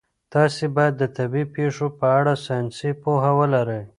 تاسي باید د طبیعي پېښو په اړه ساینسي پوهه ولرئ.